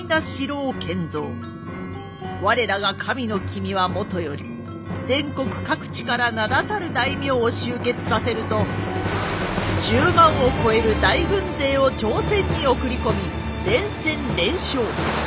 我らが神の君はもとより全国各地から名だたる大名を集結させると１０万を超える大軍勢を朝鮮に送り込み連戦連勝